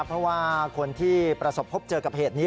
เพราะว่าคนที่ประสบพบเจอกับเหตุนี้